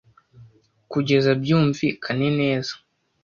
Kugeza byumvikane neza!